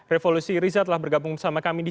revolusi riza telah bergabung bersama kami di